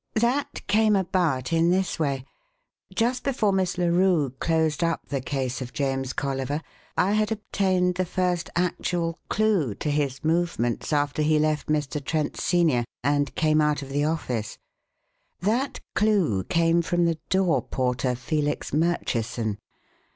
That came about in this way: Just before Miss Larue closed up the case of James Colliver I had obtained the first actual clue to his movements after he left Mr. Trent, senior, and came out of the office. "That clue came from the door porter, Felix Murchison.